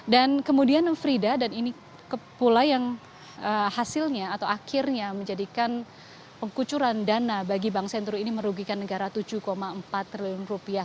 dan kemudian frida dan ini kepulai yang hasilnya atau akhirnya menjadikan pengkucuran dana bagi bank senturi ini merugikan negara tujuh empat triliun rupiah